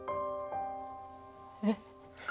えっ？